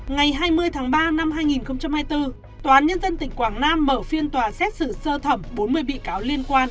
ngày hai mươi tháng ba năm hai nghìn hai mươi bốn tòa án nhân dân tỉnh quảng nam mở phiên tòa xét xử sơ thẩm bốn mươi bị cáo liên quan